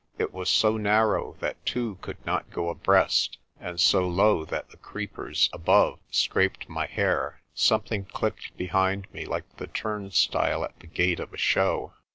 It was so narrow that two could .not go abreast and so low that the creepers above scraped my hair. Something clicked behind me like the turnstile at the gate of a show.